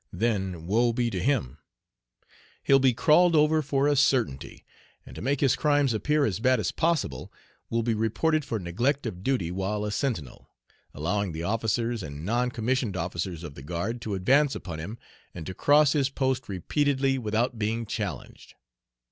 Then woe be to him! He'll be "crawled over" for a certainty, and to make his crimes appear as bad as possible, will be reported for "neglect of duty while a sentinel, allowing the officers and non commissioned officers of the guard to advance upon him, and to cross his post repeatedly without being challenged."